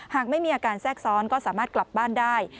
หากไม่มีอาการแทรกซ้อนก็สามารถกลับบ้านได้